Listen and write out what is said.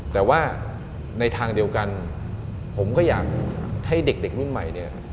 แต่ว่าในทางเดียวกันผมก็อยากให้เด็กรุ่นใหม่เนี่ย